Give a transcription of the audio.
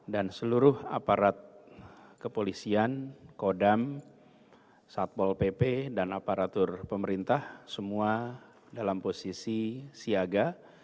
dan seluruh aparat kepolisian kodam satpol pp dan aparatur pemerintah semua dalam posisi siaga